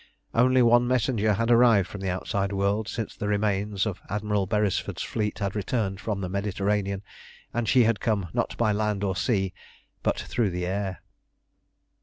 Only one messenger had arrived from the outside world since the remains of Admiral Beresford's fleet had returned from the Mediterranean, and she had come, not by land or sea, but through the air.